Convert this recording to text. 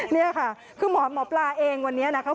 นี่ค่ะคือหมอปลาเองวันนี้นะคะ